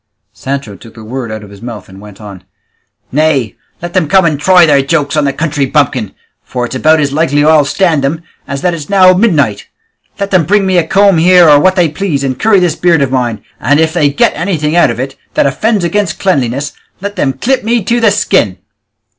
Sancho took the word out of his mouth and went on, "Nay, let them come and try their jokes on the country bumpkin, for it's about as likely I'll stand them as that it's now midnight! Let them bring me a comb here, or what they please, and curry this beard of mine, and if they get anything out of it that offends against cleanliness, let them clip me to the skin."